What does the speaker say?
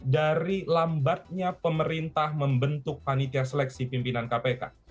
dari lambatnya pemerintah membentuk panitia seleksi pimpinan kpk